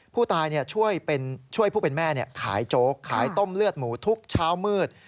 ผู้ตายช่วยผู้เป็นแม่ขายโจ๊กขายต้มเลือดหมูทุกเช้ามืด